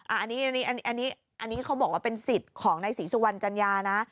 อันนี้เขาบอกว่าเป็นสิทธิ์ของนายศรีสุวรรณจัญญานะ